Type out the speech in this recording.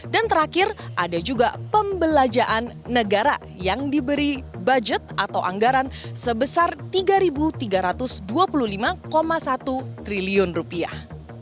dan terakhir ada juga pembelajaan negara yang diberi budget atau anggaran sebesar tiga tiga ratus dua puluh lima satu triliun rupiah